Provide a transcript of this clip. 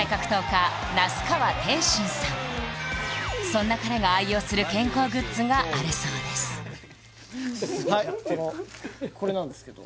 昨年そんな彼が愛用する健康グッズがあるそうです